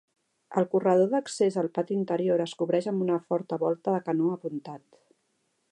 El corredor d'accés al pati interior es cobreix amb una forta volta de canó apuntat.